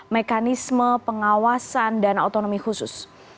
mekanisme pengawasan dana otonomi khusus